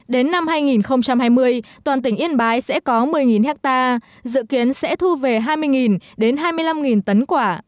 đến năm hai nghìn hai mươi toàn tỉnh yên bái sẽ có một mươi hectare dự kiến sẽ thu về hai mươi hai mươi năm tấn quả